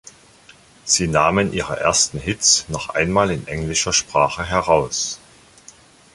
Sie nahmen ihre ersten Hits noch einmal in englischer Sprache heraus.